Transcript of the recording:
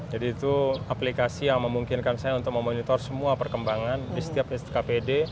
itu aplikasi yang memungkinkan saya untuk memonitor semua perkembangan di setiap kpd